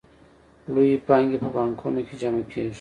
لویې پانګې په بانکونو کې جمع کېږي